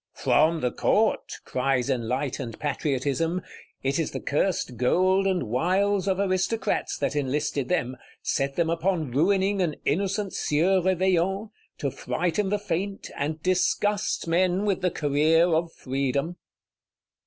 From the Court! cries enlightened Patriotism: it is the cursed gold and wiles of Aristocrats that enlisted them; set them upon ruining an innocent Sieur Réveillon; to frighten the faint, and disgust men with the career of Freedom.